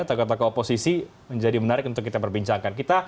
tokoh tokoh oposisi menjadi menarik untuk kita perbincangkan